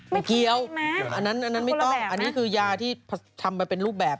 ไม่เกี่ยวอันนั้นไม่ต้องอันนี้คือยาที่ทำมาเป็นรูปแบบ